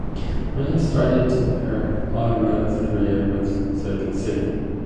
Miller started her automotive career with Circuit City.